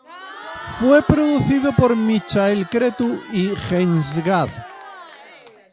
Fue producido por Michael Cretu y Jens Gad.